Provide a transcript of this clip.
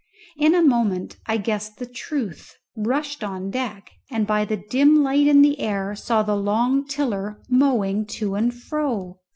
In a moment I guessed the truth, rushed on deck, and by the dim light in the air saw the long tiller mowing to and fro!